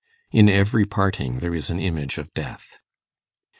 In every parting there is an image of death.